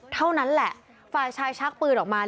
เท่านั้นแหละฝ่ายชายชักปืนออกมา